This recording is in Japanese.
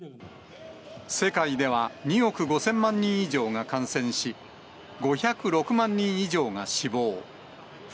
世界では２億５０００万人以上が感染し、５０６万人以上が死亡。